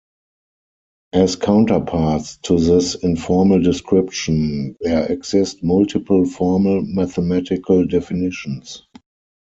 As counterparts to this informal description, there exist multiple formal, mathematical definitions.